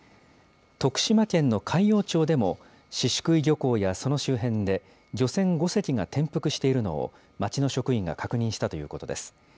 徳島県の海陽町でも、宍喰漁港やその周辺で、漁船５隻が転覆しているのを町の職員が確認したということです。